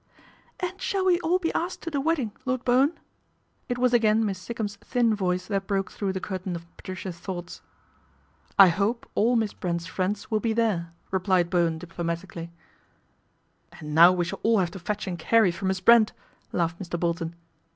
" And shall we all be asked to the wedding, Lord Bowen ?" It was again Miss Sikkum's thin voice that broke through the curtain of Patricia's thoughts. " I hope all Miss Brent's friends will be there," replied Bowen diplomatically. " And now we shall all have to fetch and carry for Miss Brent," laughed Mr. Bolton.